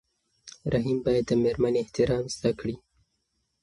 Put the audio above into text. رحیم باید د مېرمنې احترام زده کړي.